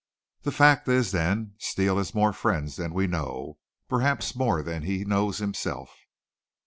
"The fact is, then, Steele has more friends than we know, perhaps more than he knows himself."